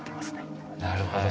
なるほど。